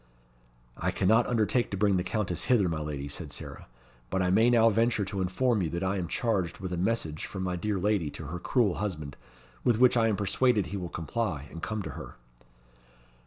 "I cannot undertake to bring the Countess hither, my lady," said Sarah. "But I may now venture to inform you that I am charged with a message from my dear lady to her cruel husband, with which I am persuaded he will comply, and come to her."